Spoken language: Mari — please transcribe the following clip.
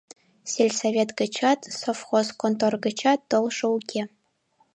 Сельсовет гычат, совхоз контор гычат толшо уке.